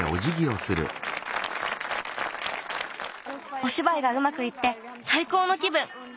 おしばいがうまくいってさいこうの気ぶん。